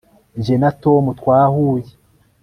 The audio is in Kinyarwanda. jye na tom twahuye